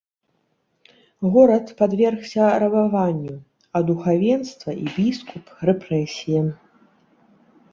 Горад падвергся рабаванню, а духавенства і біскуп рэпрэсіям.